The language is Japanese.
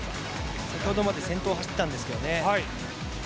先ほどまで先頭を走ってたんですけどね。